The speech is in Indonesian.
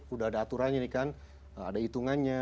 udah ada aturannya nih kan ada hitungannya